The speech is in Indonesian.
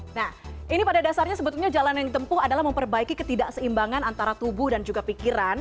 nah ini pada dasarnya sebetulnya jalan yang ditempuh adalah memperbaiki ketidakseimbangan antara tubuh dan juga pikiran